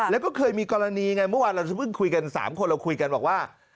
แล้วก็เคยมีกรณีไงเมื่อวานเราเพิ่งคุยกัน๓คนเราคุยกันบอกว่า